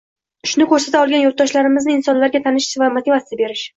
Shuni koʻrsata olgan yurtdoshlarimizni insonlarga tanitish va motivatsiya berish.